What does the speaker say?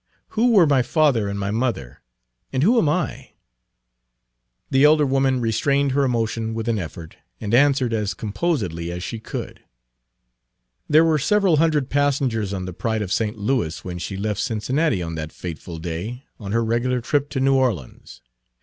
"Who were my father and my mother, and who am I?" The elder woman restrained her emotion with an effort, and answered as composedly as she could, "There were several hundred passengers on the Pride of St. Louis when she left Cincinnati on that fateful day, on her regular trip to New Orleans.